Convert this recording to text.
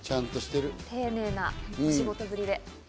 丁寧な仕事ぶりで。